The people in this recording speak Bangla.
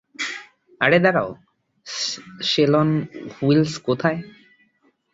আর দাঁড়াও, শেল-অন-হুইলস কোথায়?